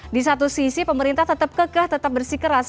di satu sisi pemerintah tetap kekeh tetap bersih keras